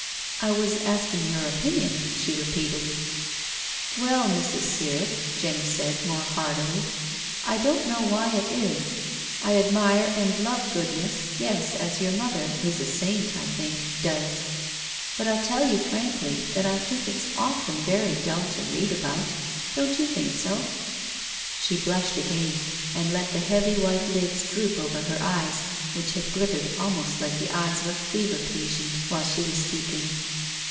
" I was asking your opinion," she repeated. " Well, Mrs. Sirrett," Jenny said, more hardily, •*' I don't know why it is. I admire and love goodness, yes, as your mother — who's a saint, I think — does. But I'll tell you frankly that I think it's often very dull to read about. Don't you think so? " She blushed again, and let the heavy white lids droop over her eyes, which had glittered almost like the eyes of a fever patient while she was speaking.